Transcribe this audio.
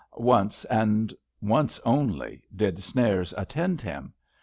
Once, and once only, did Snares attend him.